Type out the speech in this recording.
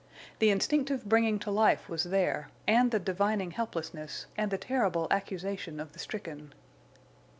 The instinctive bringing to life was there, and the divining helplessness and the terrible accusation of the stricken.